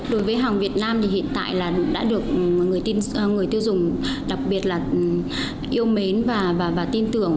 đối với hàng việt nam thì hiện tại là đã được người tiêu dùng đặc biệt là yêu mến và tin tưởng